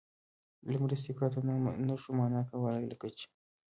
له مرستې پرته نه شو مانا کولای، لکه چې